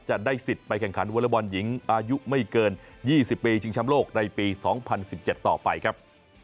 จะได้สิทธิ์ไปแข่งขันวอเลอร์บอลหญิงอายุไม่เกิน๒๐ปีชิงช้ำโลกในปี๒๐๑๗ต่อไปครับ